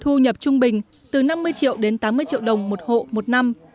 thu nhập trung bình từ năm mươi triệu đến tám mươi triệu đồng một hộ một năm